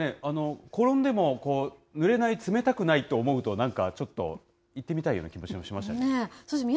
おー、でもなんかね、転んでもぬれない、冷たくないと思うと、なんかちょっと行ってみたいような気もしましたけど。